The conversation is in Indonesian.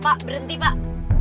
pak berhenti pak